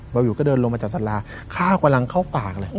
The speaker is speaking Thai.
วิวก็เดินลงมาจากสาราข้าวกำลังเข้าปากเลย